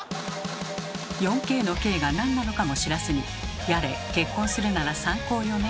４Ｋの「Ｋ」がなんなのかも知らずにやれ「結婚するなら３高よね」